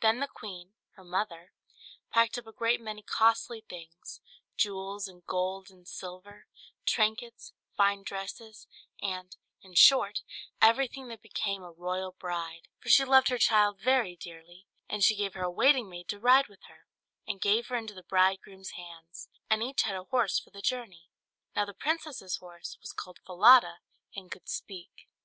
Then the queen, her mother, packed up a great many costly things jewels, and gold, and silver; trinkets, fine dresses, and, in short, everything that became a royal bride; for she loved her child very dearly: and she gave her a waiting maid to ride with her, and give her into the bridegroom's hands; and each had a horse for the journey. Now the princess's horse was called Falada, and could speak.